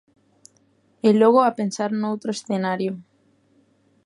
E logo a pensar noutro escenario.